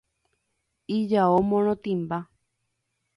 Ijao morotĩmba.